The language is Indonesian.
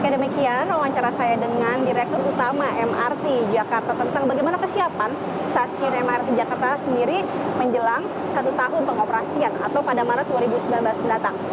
demikian wawancara saya dengan direktur utama mrt jakarta tentang bagaimana kesiapan stasiun mrt jakarta sendiri menjelang satu tahun pengoperasian atau pada maret dua ribu sembilan belas mendatang